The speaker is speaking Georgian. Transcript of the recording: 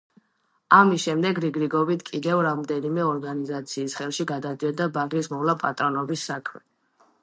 ამის შემდეგ რიგრიგობით კიდევ რამდენიმე ორგანიზაციის ხელში გადადიოდა ბაღის მოვლა-პატრონობის საქმე.